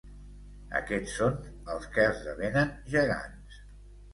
Aquests són els que esdevenen gegants.